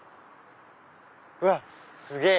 うわっすげぇ！